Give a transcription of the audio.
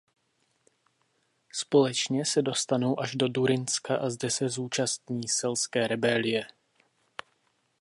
Společně se dostanou až do Durynska a zde se zúčastní selské rebelie.